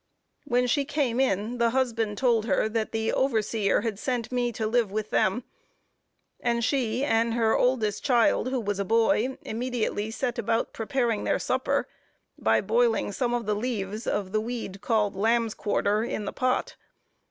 When she came in, the husband told her that the overseer had sent me to live with them; and she and her oldest child, who was a boy, immediately set about preparing their supper, by boiling some of the leaves of the weed, called lamb's quarter, in the pot.